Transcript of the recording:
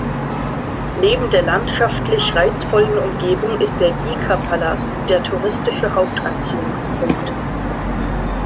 Neben der landschaftlich reizvollen Umgebung ist der Ghica-Palast der touristische Hauptanziehungspunkt.